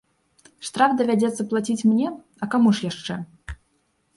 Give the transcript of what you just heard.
Штраф давядзецца плаціць мне, а каму ж яшчэ?